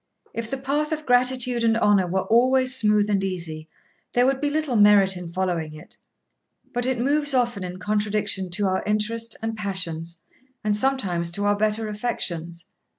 If the path of gratitude and honour were always smooth and easy, there would be little merit in following it; but it moves often in contradiction to our interest and passions, and sometimes to our better affections.